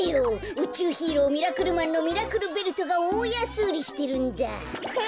うちゅうヒーローミラクルマンのミラクルベルトがおおやすうりしてるんだ。え！